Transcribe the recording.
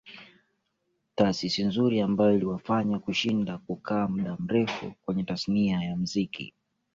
taasisi nzuri ambayo iliwafanya kushinda kukaa muda mrefu kwenye tasnia ya muziki